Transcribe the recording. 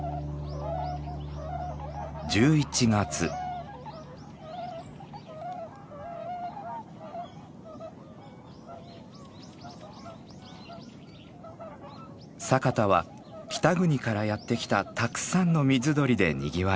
佐潟は北国からやって来たたくさんの水鳥でにぎわいます。